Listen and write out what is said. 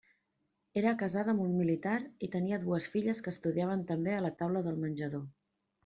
Era casada amb un militar i tenia dues filles que estudiaven també a la taula del menjador.